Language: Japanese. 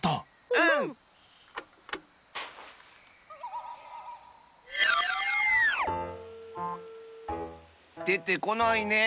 うん！でてこないね。